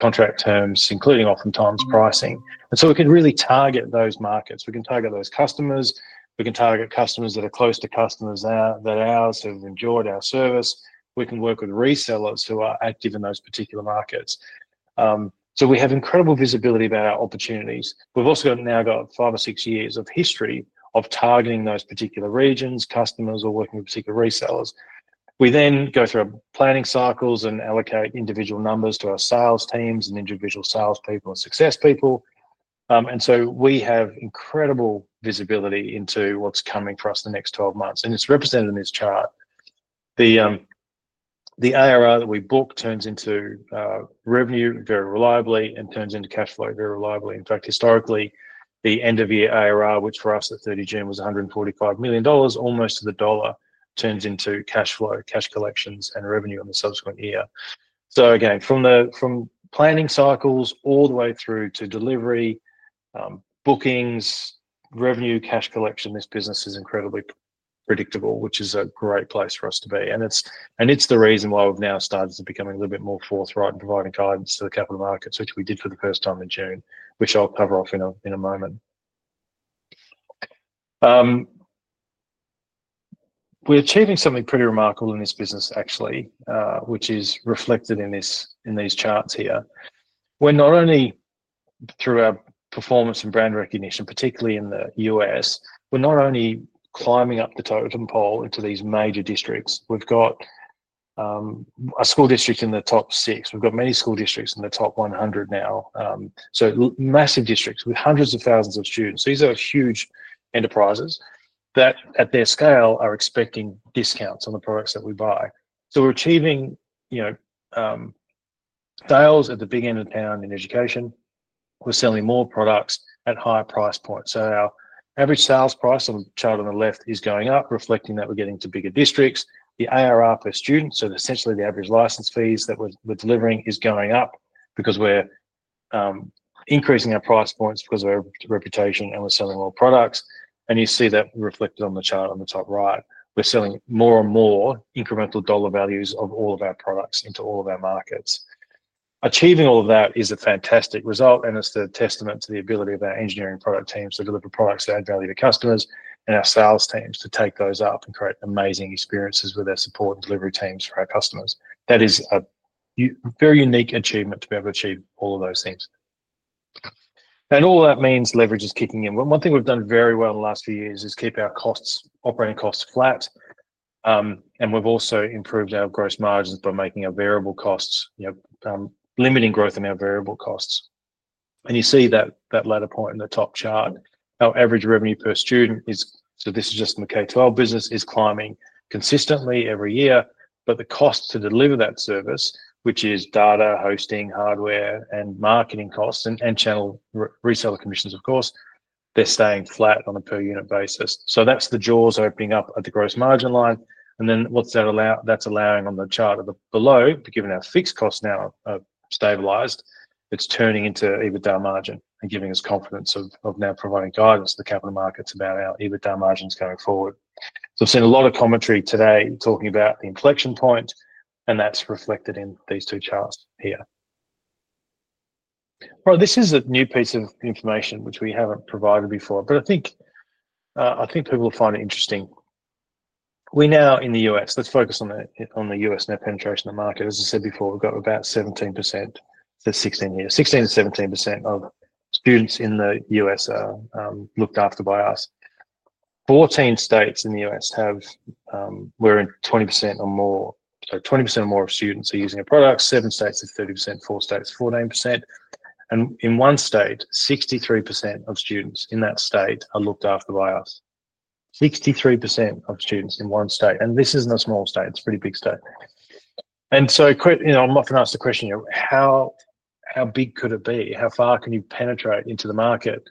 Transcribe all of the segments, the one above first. Contract terms, including oftentimes pricing. We can really target those markets. We can target those customers. We can target customers that are close to customers that are ours who have endured our service. We can work with resellers who are active in those particular markets. We have incredible visibility about our opportunities. We've also now got five or six years of history of targeting those particular regions, customers, or working with particular resellers. We then go through our planning cycles and allocate individual numbers to our sales teams and individual salespeople and success people. We have incredible visibility into what's coming for us in the next 12 months, and it's represented in this chart. The ARR that we book turns into revenue very reliably and turns into cash flow very reliably. In fact, historically, the end-of-year ARR, which for us at 30 June, was $145 million, almost to the dollar, turns into cash flow, cash collections, and revenue in the subsequent year. From the planning cycles all the way through to delivery, bookings, revenue, cash collection, this business is incredibly predictable, which is a great place for us to be. It's the reason why we've now started to become a little bit more forthright in providing guidance to the capital markets, which we did for the first time in June, which I'll cover off in a moment. We're achieving something pretty remarkable in this business, actually, which is reflected in these charts here. We're not only, through our performance and brand recognition, particularly in the U.S., climbing up the totem pole into these major districts. We've got a school district in the top six. We've got many school districts in the top 100 now. Massive districts with hundreds of thousands of students. These are huge enterprises that, at their scale, are expecting discounts on the products that we buy. We're achieving sales at the big end of town in education. We're selling more products at higher price points. Our average sales price on the chart on the left is going up, reflecting that we're getting to bigger districts. The ARR per student, so essentially the average license fees that we're delivering, is going up because we're increasing our price points because of our reputation and we're selling more products. You see that reflected on the chart on the top right. We're selling more and more incremental dollar values of all of our products into all of our markets. Achieving all of that is a fantastic result, and it's a testament to the ability of our engineering product teams to deliver products that add value to customers and our sales teams to take those up and create amazing experiences with their support and delivery teams for our customers. That is a very unique achievement to be able to achieve all of those things. All that means leverage is kicking in. One thing we've done very well in the last few years is keep our costs, operating costs, flat. We've also improved our gross margins by making our variable costs, you know, limiting growth in our variable costs. You see that latter point in the top chart. Our average revenue per student is, so this is just in the K-12 business, climbing consistently every year, but the cost to deliver that service, which is data, hosting, hardware, and marketing costs, and channel reseller commissions, of course, they're staying flat on a per unit basis. That's the jaws opening up at the gross margin line. What's that allowing on the chart below, given our fixed costs now are stabilized, it's turning into EBITDA margin and giving us confidence of now providing guidance to the capital markets about our EBITDA margins going forward. I've seen a lot of commentary today talking about the inflection point, and that's reflected in these two charts here. This is a new piece of information which we haven't provided before, but I think people will find it interesting. We now, in the U.S., let's focus on the U.S. now, penetration of the market. As I said before, we've got about 17% for 16 years. 16%-17% of students in the U.S. are looked after by us. 14 states in the U.S. have, we're in 20% or more, 20% or more of students are using a product. Seven states is 30%, four states is 14%. In one state, 63% of students in that state are looked after by us. 63% of students in one state, and this isn't a small state, it's a pretty big state. I'm often asked the question, you know, how big could it be? How far can you penetrate into the market?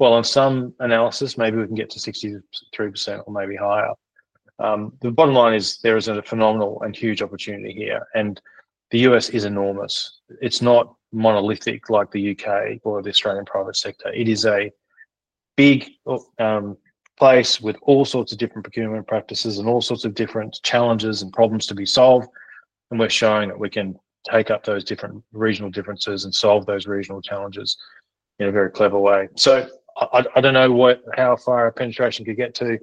In some analysis, maybe we can get to 63% or maybe higher. The bottom line is there is a phenomenal and huge opportunity here. The U.S. is enormous. It's not monolithic like the U.K. or the Australian private sector. It is a big place with all sorts of different procurement practices and all sorts of different challenges and problems to be solved. We're showing that we can take up those different regional differences and solve those regional challenges in a very clever way. I don't know how far our penetration could get to,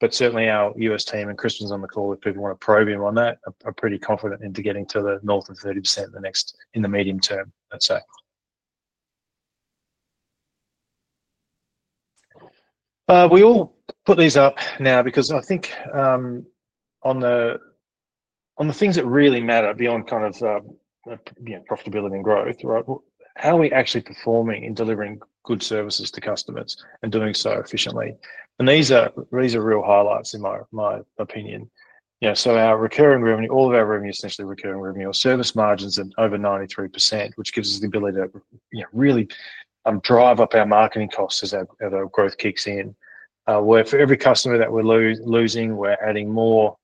but certainly our U.S. team, and Crispin's on the call if people want to probe him on that. I'm pretty confident in getting to the north of 30% in the medium term, let's say. We all put these up now because I think, on the things that really matter beyond profitability and growth, right? How are we actually performing in delivering good services to customers and doing so efficiently? These are real highlights in my opinion. You know, our recurring revenue, all of our revenue is essentially recurring revenue. Our service margins are over 93%, which gives us the ability to really drive up our marketing costs as our growth kicks in, where for every customer that we're losing, we're adding more revenue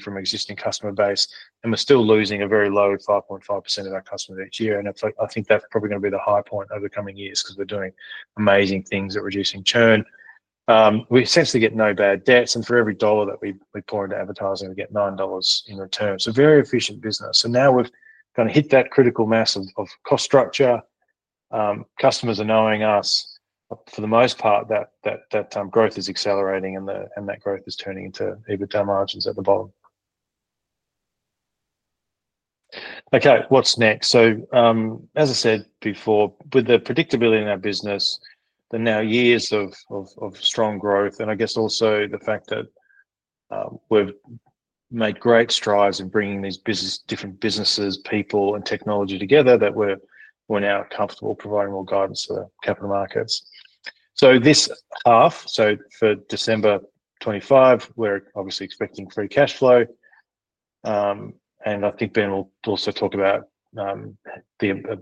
from existing customer base. We're still losing a very low 5.5% of our customers each year. I think that's probably going to be the high point over the coming years because we're doing amazing things at reducing churn. We essentially get no bad debts. For every dollar that we pour into advertising, we get $9 in return. Very efficient business. Now we've kind of hit that critical mass of cost structure. Customers are knowing us. For the most part, that growth is accelerating and that growth is turning into EBITDA margins at the bottom. Okay, what's next? As I said before, with the predictability in our business, the now years of strong growth, and I guess also the fact that we've made great strides in bringing these different businesses, people, and technology together, we're now comfortable providing more guidance to the capital markets. This half, so for December 2025, we're obviously expecting free cash flow. I think Ben will also talk about the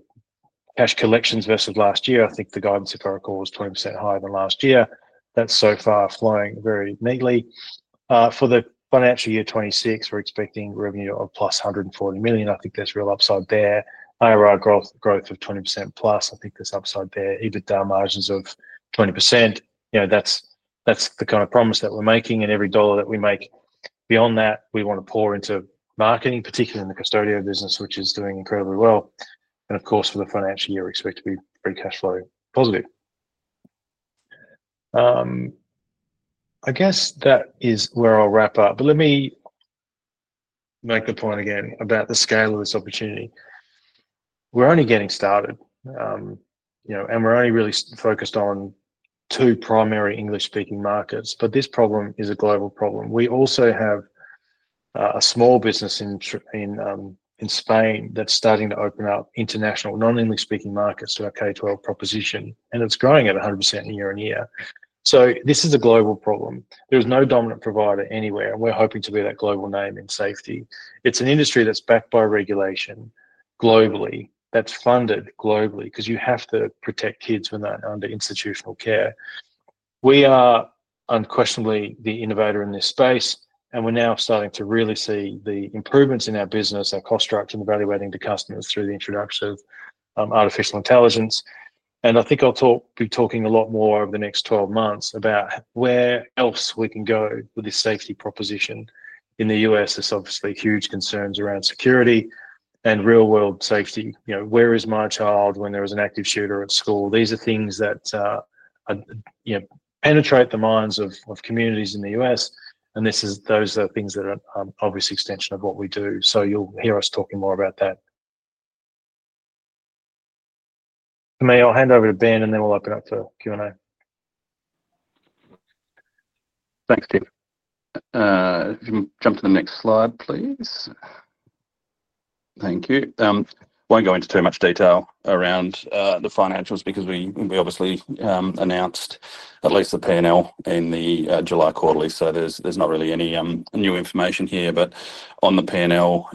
cash collections versus last year. I think the guidance of our call is 20% higher than last year. That's so far flowing very neatly. For the financial year 2026, we're expecting revenue of +$140 million. I think there's real upside there. ARR growth of 20%+. I think there's upside there. EBITDA margins of 20%. That's the kind of promise that we're making. Every dollar that we make beyond that, we want to pour into marketing, particularly in the Qustodio business, which is doing incredibly well. For the financial year, we expect to be free cash flow positive. I guess that is where I'll wrap up. Let me make the point again about the scale of this opportunity. We're only getting started, and we're only really focused on two primary English-speaking markets. This problem is a global problem. We also have a small business in Spain that's starting to open up international non-English-speaking markets to our K-12 proposition, and it's growing at 100% year on year. This is a global problem. There's no dominant provider anywhere. We're hoping to be that global name in safety. It's an industry that's backed by regulation globally, that's funded globally because you have to protect kids when they're under institutional care. We are unquestionably the innovator in this space, and we're now starting to really see the improvements in our business, our cost structure, and evaluating the customers through the introduction of artificial intelligence. I think I'll be talking a lot more over the next 12 months about where else we can go with this safety proposition. In the U.S., there's obviously huge concerns around security and real-world safety. Where is my child when there is an active shooter at school? These are things that penetrate the minds of communities in the U.S., and those are things that are an obvious extension of what we do. You'll hear us talking more about that. For me, I'll hand over to Ben, and then we'll open up to Q&A. Thanks, Tim. If you can jump to the next slide, please. Thank you. I won't go into too much detail around the financials because we obviously announced at least the P&L in the July quarterly. There's not really any new information here. On the P&L,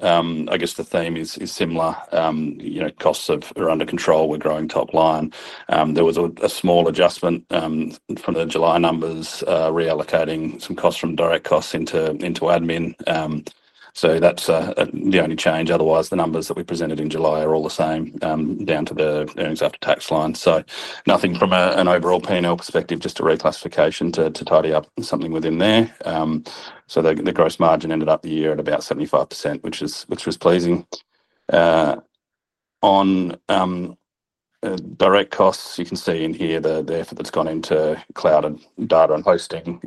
I guess the theme is similar. You know, costs are under control. We're growing top line. There was a small adjustment from the July numbers, reallocating some costs from direct costs into admin. That's the only change. Otherwise, the numbers that we presented in July are all the same, down to the earnings after tax line. Nothing from an overall P&L perspective, just a reclassification to tidy up something within there. The gross margin ended up the year at about 75%, which was pleasing. On direct costs, you can see in here the effort that's gone into cloud and data and hosting.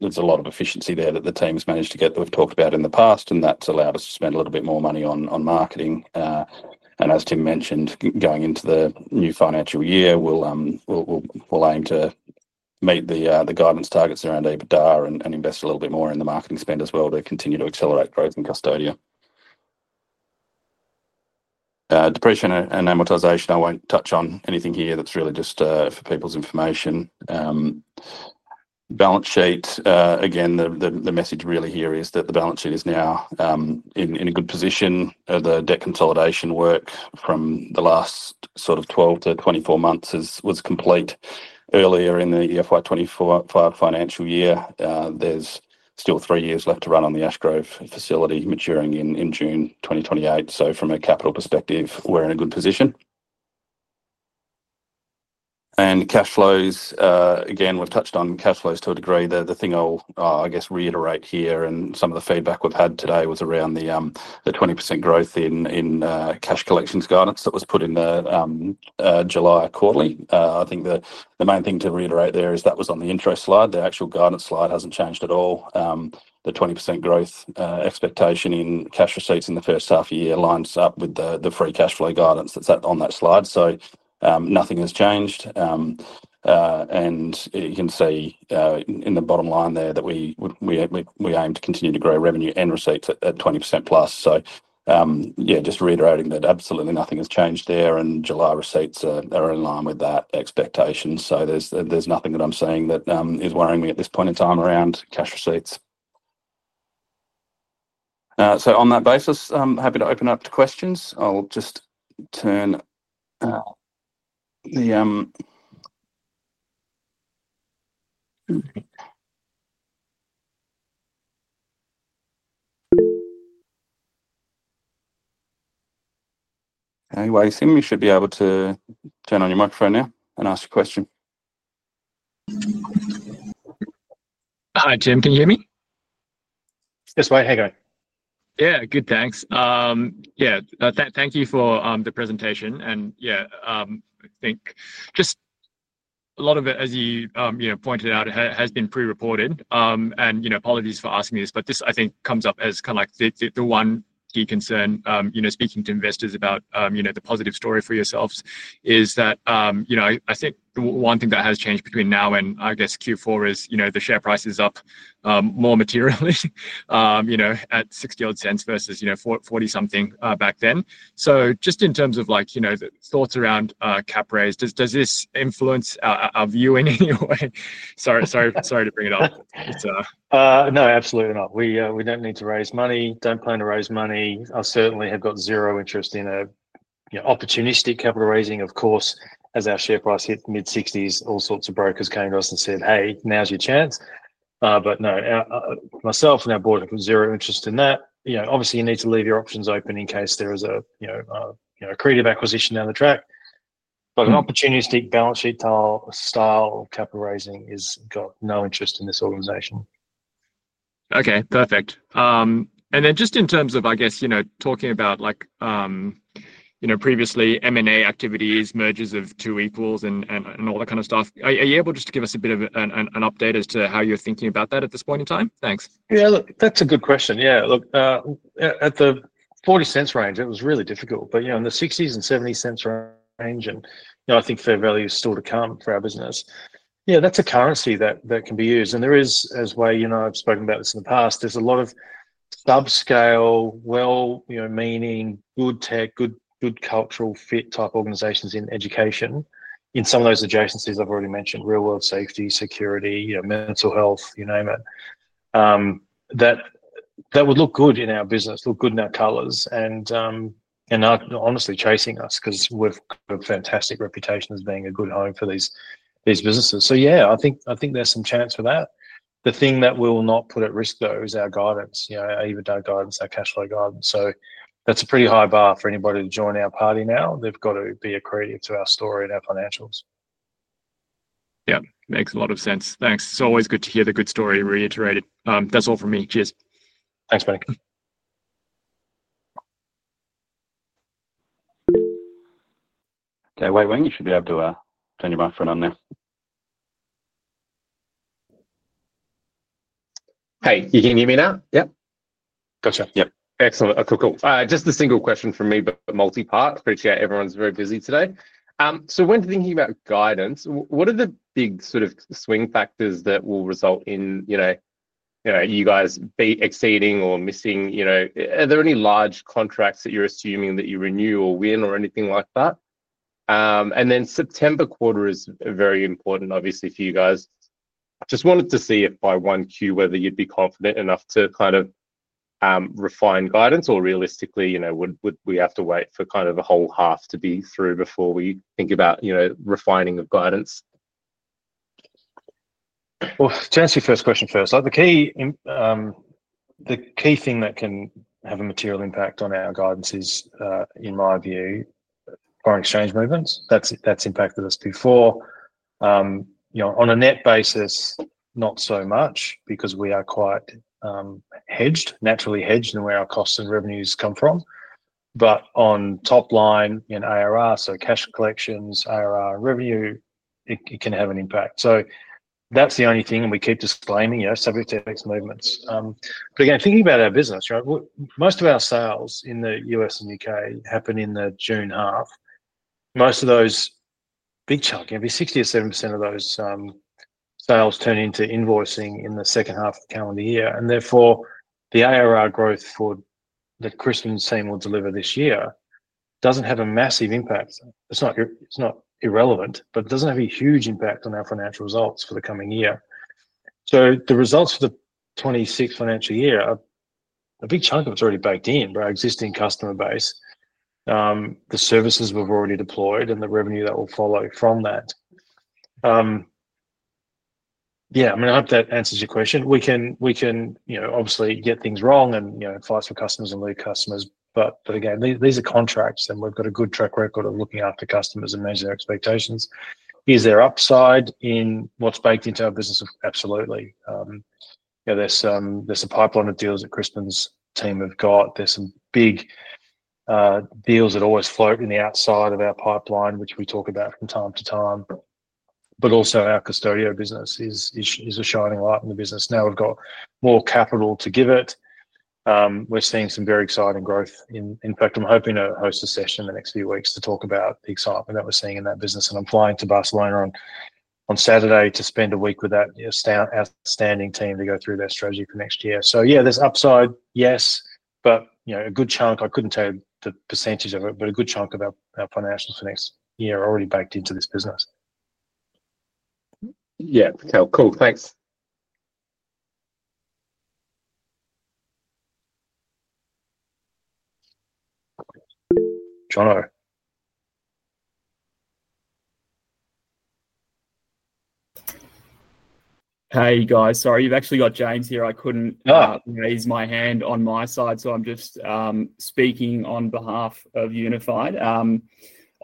There's a lot of efficiency there that the team has managed to get that we've talked about in the past. That's allowed us to spend a little bit more money on marketing. As Tim mentioned, going into the new financial year, we'll aim to meet the guidance targets around EBITDA and invest a little bit more in the marketing spend as well to continue to accelerate growth in Qustodio. Depreciation and amortization, I won't touch on anything here. That's really just for people's information. Balance sheet, again, the message really here is that the balance sheet is now in a good position. The debt consolidation work from the last sort of 12-24 months was complete earlier in the FY 2024 financial year. There's still three years left to run on the Ashgrove facility maturing in June 2028. From a capital perspective, we're in a good position. Cash flows, again, we've touched on cash flows to a degree. The thing I'll reiterate here and some of the feedback we've had today was around the 20% growth in cash collections guidance that was put in the July quarterly. I think the main thing to reiterate there is that was on the interest slide. The actual guidance slide hasn't changed at all. The 20% growth expectation in cash receipts in the first half of the year lines up with the free cash flow guidance that's on that slide. Nothing has changed. You can see in the bottom line there that we aim to continue to grow revenue and receipts at 20%+. Yeah, just reiterating that absolutely nothing has changed there, and July receipts are in line with that expectation. There's nothing that I'm saying that is worrying me at this point in time around cash receipts. On that basis, I'm happy to open up to questions. Anyway, Tim, you should be able to turn on your microphone now and ask your question. Hi, Tim. Can you hear me? Yes, mate. How are you going? Yeah, good, thanks. Yeah, thank you for the presentation. I think just a lot of it, as you pointed out, has been pre-reported. You know, apologies for asking this, but this I think comes up as kind of like the one key concern, speaking to investors about the positive story for yourselves is that I think the one thing that has changed between now and I guess Q4 is the share price is up more materially, at $0.60 versus $0.40 back then. Just in terms of thoughts around cap raise, does this influence our view in any way? Sorry to bring it up. No, absolutely not. We don't need to raise money, don't plan to raise money. I certainly have got zero interest in a, you know, opportunistic capital raising. Of course, as our share price hit mid-60s, all sorts of brokers came to us and said, "Hey, now's your chance." However, no, myself and our board have got zero interest in that. Obviously, you need to leave your options open in case there is a, you know, a creative acquisition down the track. An opportunistic balance sheet style capital raising has got no interest in this organization. Okay, perfect. In terms of, I guess, you know, talking about previously M&A activities, mergers of two equals and all that kind of stuff, are you able to just give us a bit of an update as to how you're thinking about that at this point in time? Thanks. Yeah, look, that's a good question. At the $0.40 range, it was really difficult. In the $0.60 and $0.70 range, I think fair value is still to come for our business. That's a currency that can be used. As we have spoken about this in the past, there's a lot of subscale, meaning good tech, good cultural fit type organizations in education. In some of those adjacencies I've already mentioned—real world safety, security, mental health, you name it—that would look good in our business, look good in our colors. I'm honestly chasing us because we've got a fantastic reputation as being a good home for these businesses. I think there's some chance for that. The thing that we will not put at risk though is our guidance, our EBITDA guidance, our cash flow guidance. That's a pretty high bar for anybody to join our party now. They've got to be a creditor to our story and our financials. Yeah, makes a lot of sense. Thanks. It's always good to hear the good story reiterated. That's all for me. Cheers. Thanks, mate. Okay, Way, you should be able to turn your microphone on now. Hey, you can hear me now? Yeah. Gotcha. Yep. Excellent. Okay, cool. Just a single question from me, but multi-part. Appreciate everyone's very busy today. When thinking about guidance, what are the big sort of swing factors that will result in you guys exceeding or missing? Are there any large contracts that you're assuming that you renew or win or anything like that? The September quarter is very important, obviously, for you guys. I just wanted to see if by 1Q whether you'd be confident enough to kind of refine guidance or realistically, would we have to wait for the whole half to be through before we think about refining of guidance? To answer your first question, the key thing that can have a material impact on our guidance is, in my view, foreign exchange movements. That has impacted us before. On a net basis, not so much because we are quite naturally hedged in where our costs and revenues come from. On top line in ARR, so cash collections, ARR, and revenue, it can have an impact. That is the only thing, and we keep displaying, subject to index movements. Again, thinking about our business, most of our sales in the U.S. and U.K. happen in the June half. A big chunk, 60%-70% of those sales, turn into invoicing in the second half of the calendar year. Therefore, the ARR growth that Crispin was saying will deliver this year does not have a massive impact. It is not irrelevant, but it does not have a huge impact on our financial results for the coming year. The results for the 2026 financial year, a big chunk of it is already baked in, with our existing customer base, the services we have already deployed, and the revenue that will follow from that. I hope that answers your question. We can obviously get things wrong and advise for customers and leave customers. These are contracts, and we have a good track record of looking after customers and managing their expectations. Is there upside in what is baked into our business? Absolutely. There is a pipeline of deals that Crispin's team have got. There are some big deals that always float outside of our pipeline, which we talk about from time to time. Also, our Qustodio business is a shining light in the business. Now we have more capital to give it, we are seeing some very exciting growth. In fact, I am hoping to host a session in the next few weeks to talk about the excitement that we are seeing in that business. I am flying to Barcelona on Saturday to spend a week with that outstanding team to go through their strategy for next year. There is upside, yes, but a good chunk, I could not tell you the percentage of it, but a good chunk of our financials for next year are already baked into this business. Yeah, cool. Thanks, Johno. Hey guys, sorry, you've actually got James here. I couldn't raise my hand on my side. I'm just speaking on behalf of Unified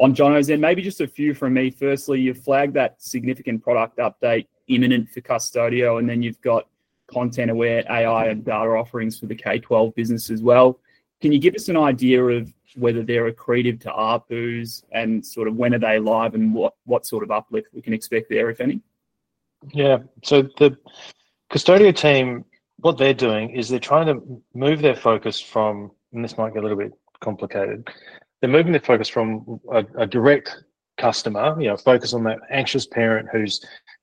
on Johno, then maybe just a few from me. Firstly, you've flagged that significant product update imminent for Qustodio, and then you've got Content Aware, AI, and Data offerings for the K-12 business as well. Can you give us an idea of whether they're accretive to our booths and sort of when are they live and what sort of uplift we can expect there, if any? Yeah, so the Qustodio team, what they're doing is they're trying to move their focus from, and this might get a little bit complicated, they're moving their focus from a direct customer, you know, focus on that anxious parent whose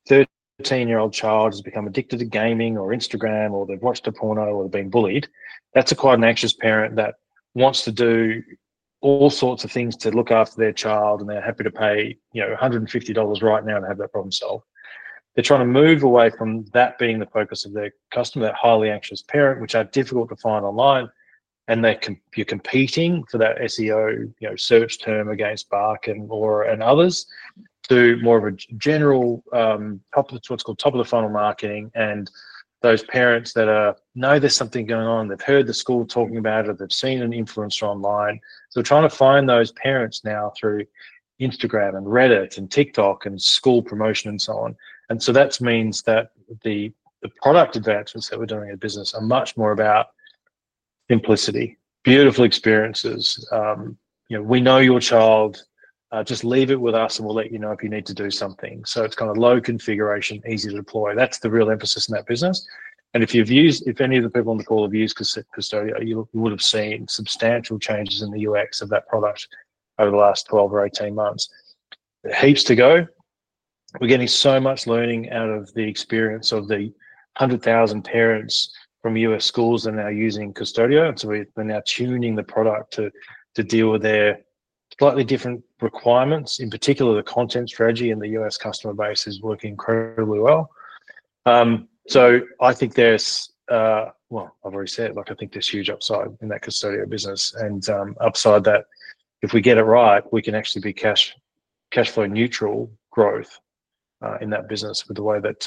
13-year-old child has become addicted to gaming or Instagram or they've watched a porno or they've been bullied. That's quite an anxious parent that wants to do all sorts of things to look after their child and they're happy to pay, you know, $150 right now to have that problem solved. They're trying to move away from that being the focus of their customer, that highly anxious parent, which are difficult to find online. They're competing for that SEO, you know, search term against Bark and Aura and others through more of a general, top of the, what's called top of the funnel marketing. Those parents that know there's something going on, they've heard the school talking about it, or they've seen an influencer online. They're trying to find those parents now through Instagram and Reddit and TikTok and school promotion and so on. That means that the product advancements that we're doing in the business are much more about simplicity, beautiful experiences. You know, we know your child, just leave it with us and we'll let you know if you need to do something. It's kind of low configuration, easy to deploy. That's the real emphasis in that business. If you've used, if any of the people on the call have used Qustodio, you would have seen substantial changes in the UX of that product over the last 12 or 18 months. Heaps to go. We're getting so much learning out of the experience of the 100,000 parents from U.S. schools that are now using Qustodio. We're now tuning the product to deal with their slightly different requirements. In particular, the content strategy in the U.S. customer base is working incredibly well. I think there's, like I said, I think there's huge upside in that Qustodio business. Upside that if we get it right, we can actually be cash flow neutral growth in that business with the way that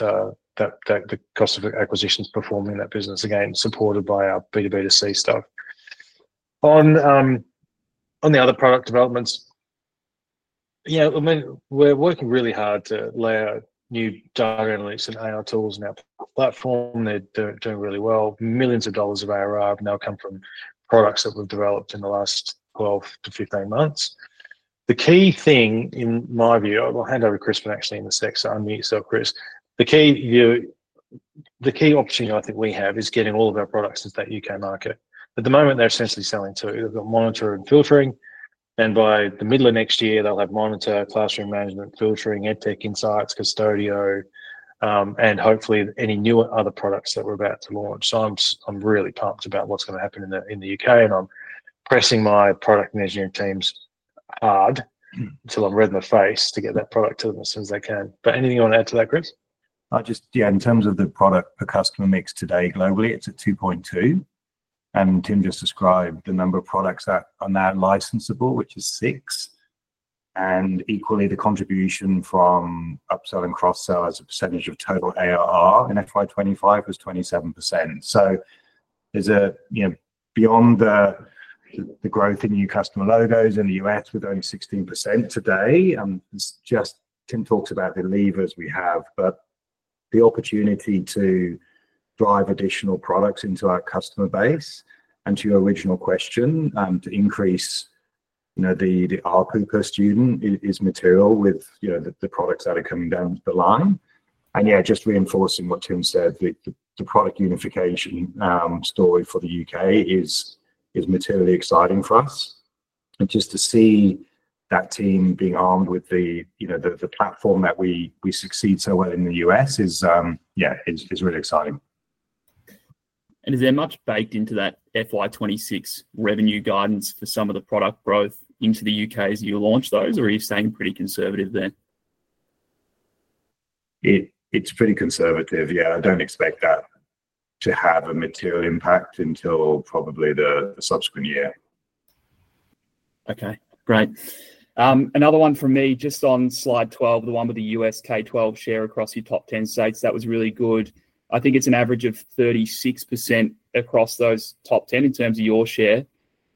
the cost of acquisitions perform in that business, again, supported by our B2B2C stuff. On the other product developments, I mean, we're working really hard to layer new data analytics and AI tools in our platform. They're doing really well. Millions of dollars of ARR have now come from products that we've developed in the last 12-15 months. The key thing in my view, I'll hand over to Crispin, but actually in the sector, unmute yourself, Crispin. The key opportunity I think we have is getting all of our products into that U.K. market. At the moment, they're essentially selling two. They've got monitor and filtering. By the middle of next year, they'll have monitor, classroom management, filtering, EdTech Insights, Qustodio, and hopefully any new other products that we're about to launch. I'm really pumped about what's going to happen in the U.K. I'm pressing my product management teams hard until I'm red in the face to get that product to them as soon as I can. Anything you want to add to that, Crispin? Yeah, in terms of the product per customer mix today globally, it's at 2.2. Tim just described the number of products that are now licensable, which is six. Equally, the contribution from upsell and cross-sell as a percentage of total ARR in FY 2025 was 27%. There's, you know, beyond the growth in new customer logos in the U.S. with only 16% today. Tim talked about the levers we have, but the opportunity to drive additional products into our customer base. To your original question, to increase, you know, the ARPU per student is material with, you know, the products that are coming down the line. Just reinforcing what Tim said, the product unification story for the U.K. is materially exciting for us. Just to see that team being armed with the, you know, the platform that we succeed so well in the U.S. is really exciting. Is there much baked into that FY 2026 revenue guidance for some of the product growth into the U.K. as you launch those, or are you staying pretty conservative there? It's pretty conservative. I don't expect that to have a material impact until probably the subsequent year. Okay, great. Another one from me, just on slide 12, the one with the U.S. K-12 share across your top 10 states. That was really good. I think it's an average of 36% across those top 10 in terms of your share.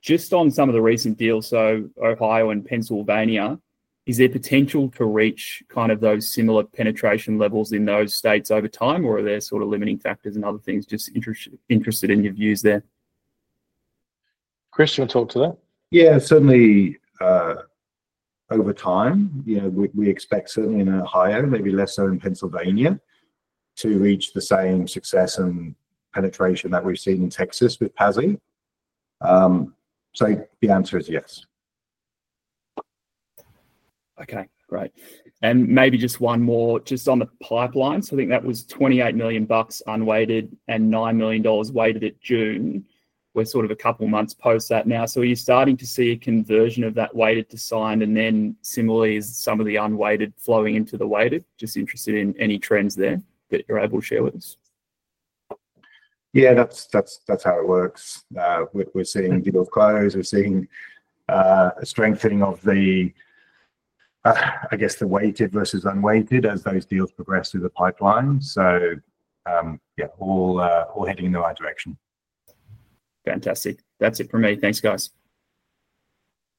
Just on some of the recent deals, so Ohio and Pennsylvania, is there potential to reach kind of those similar penetration levels in those states over time, or are there sort of limiting factors and other things? Just interested in your views there. Crispin, you want to talk to that? Yeah, certainly, over time, we expect certainly in Ohio, maybe less so in Pennsylvania, to reach the same success and penetration that we've seen in Texas with PASI. The answer is yes. Okay, great. Maybe just one more, just on the pipeline. I think that was $28 million unweighted and $9 million weighted at June. We're sort of a couple of months post that now. Are you starting to see a conversion of that weighted to signed, and then similarly some of the unweighted flowing into the weighted? Just interested in any trends there that you're able to share with us. Yeah, that's how it works. We're seeing deal close. We're seeing a strengthening of the, I guess, the weighted versus unweighted as those deals progress through the pipeline. Yeah, all heading in the right direction. Fantastic. That's it for me. Thanks, guys.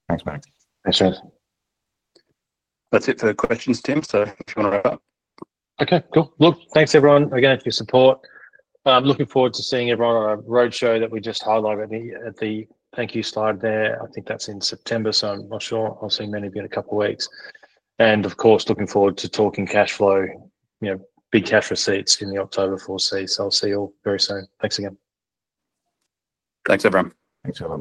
Thanks, mate. Thanks, James. That's it for the questions, Tim. If you want to wrap up. Okay, cool. Thanks everyone again for your support. I'm looking forward to seeing everyone on a roadshow that we just highlighted at the thank you slide there. I think that's in September, so I'm not sure. I'll see many of you in a couple of weeks. Of course, looking forward to talking cash flow, big cash receipts in the October foresee. I'll see you all very soon. Thanks again. Thanks, everyone. Thanks, everyone.